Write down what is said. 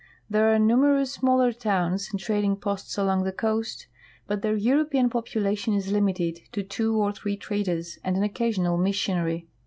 There are numer ous smaller towns and trading posts along the coast, but their European population is limited to two or three traders and an occasional missionary.